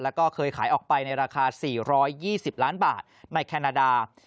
แล้วก็เคยขายออกไปในราคา๔๒๐ล้านบาทในแคนาดา